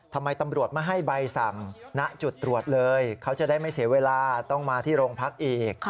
ทำไมตำรวจไม่ให้ใบสั่งณจุดตรวจเลยเขาจะได้ไม่เสียเวลาต้องมาที่โรงพักอีก